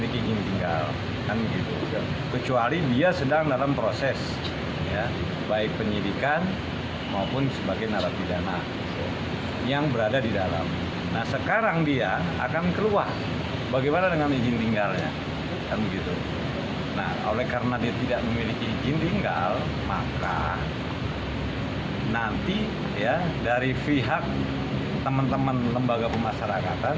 ketika dikonsumsi dengan konsulat jenderal australia terkait dua rekannya dikonsumsi dengan konsulat jenderal australia